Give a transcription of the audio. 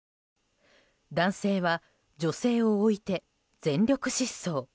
男性は女性を置いて全力疾走。